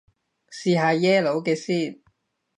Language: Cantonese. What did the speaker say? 試下耶魯嘅先